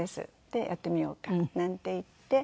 で「やってみようか」なんて言って。